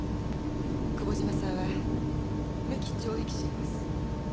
久保島さんは無期懲役囚です。